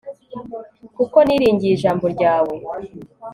kuko niringiye ijambo ryawe